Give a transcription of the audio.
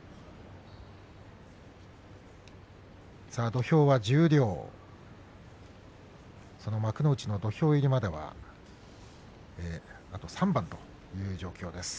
土俵は十両、その幕内の土俵入りまではあと３番です。